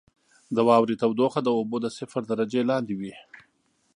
• د واورې تودوخه د اوبو د صفر درجې لاندې وي.